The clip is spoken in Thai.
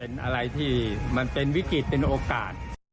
เป็นอะไรที่มันเป็นวิกฤตเป็นโอกาส